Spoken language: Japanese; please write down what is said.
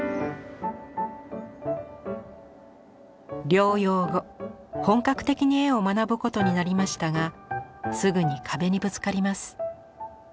療養後本格的に絵を学ぶことになりましたがすぐに壁にぶつかります。